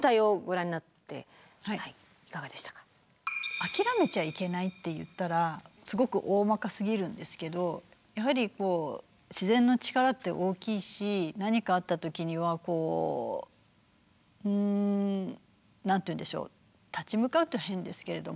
諦めちゃいけないって言ったらすごくおおまかすぎるんですけどやはりこう自然の力って大きいし何かあった時にはこう何と言うんでしょう立ち向かうって変ですけれども。